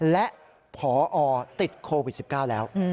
และพอติดโควิด๑๙แล้ว